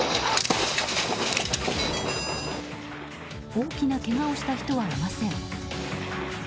大きなけがをした人はいません。